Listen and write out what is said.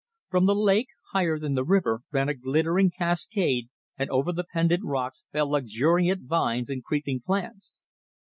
From the lake, higher than the river, ran a glittering cascade and over the pendant rocks fell luxuriant vines and creeping plants.